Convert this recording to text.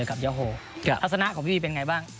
ลักษณะของพี่เป็นไงบ้าง